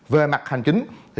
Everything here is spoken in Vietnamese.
về mặt hành chính